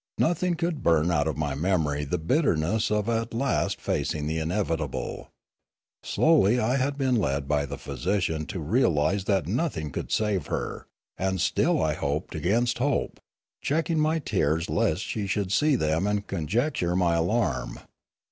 Nothing could burn out of my memory the bitterness of at last facing the inevitable. Slowly had I been led by the physician to realise that nothing could save her, and still I hoped against hope, checking my tears lest she should see them and conjecture my alarm.